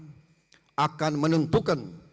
apa yang kita lakukan sekarang akan menentukan